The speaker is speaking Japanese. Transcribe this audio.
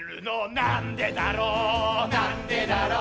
「なんでだろうなんでだろう」